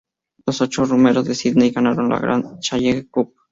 Los ocho remeros de Sídney ganaron la "Grand Challenge Cup".